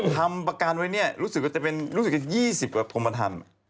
ทำประกันมันเนี่ยแบบแบบถึง๒๐กว่ากมพันธัน